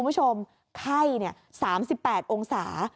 คุณผู้ชมไข้๓๘องศา